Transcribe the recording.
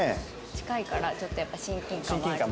近いからちょっとやっぱ親近感はありました。